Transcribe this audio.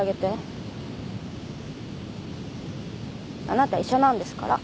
あなた医者なんですから。